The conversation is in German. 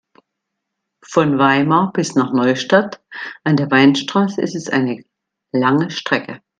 Von Weimar bis nach Neustadt an der Weinstraße ist es eine lange Strecke